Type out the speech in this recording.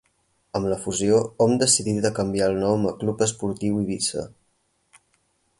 Amb la fusió, hom decidí de canviar el nom a Club Esportiu Eivissa.